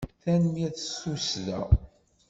Tanemmirt s tussda.